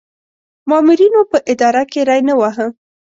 مامورینو په اداره کې ری نه واهه.